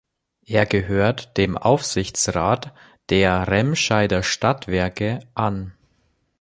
Er gehörte dem Aufsichtsrat der Remscheider Stadtwerke an.